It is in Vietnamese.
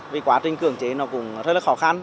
vì quá trình cưỡng chế nó cũng rất là khó khăn